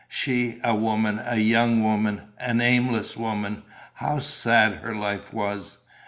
She, a woman, a young woman, an aimless woman: how sad her life was!